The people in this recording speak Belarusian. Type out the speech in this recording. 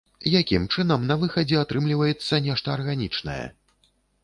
Якім чынам на выхадзе атрымліваецца нешта арганічнае?